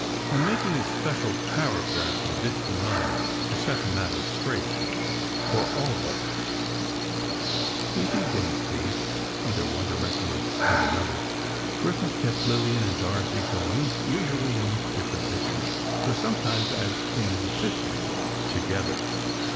I am making a special paragraph of this denial to set the matter straight—for all of us. Busy days, these. Under one director and another, Griffith kept Lillian and Dorothy going, usually in different pictures, though sometimes, as in "The Sisters," together.